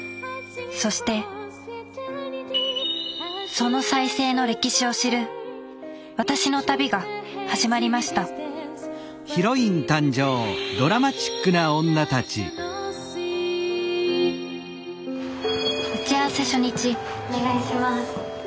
そしてその再生の歴史を知る私の旅が始まりました打ち合わせ初日お願いします。